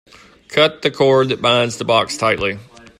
Cut the cord that binds the box tightly.